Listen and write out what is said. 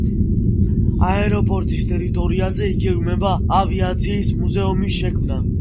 აეროპორტის ტერიტორიაზე იგეგმება ავიაციის მუზეუმის შექმნა.